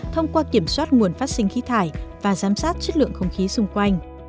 thông qua kiểm soát nguồn phát sinh khí thải và giám sát chất lượng không khí xung quanh